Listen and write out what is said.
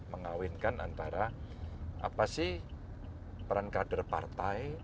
mengawinkan antara apa sih peran kader partai